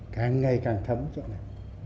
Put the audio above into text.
càng ngày càng thấm chỗ này